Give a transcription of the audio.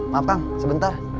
maaf kang sebentar